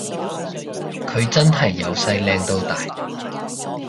佢真係由細靚到大